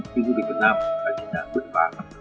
khi du lịch việt nam đã quyết phá